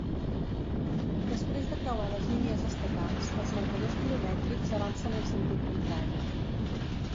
Després de creuar les línies estatals, els marcadors quilomètrics avancen en sentit contrari.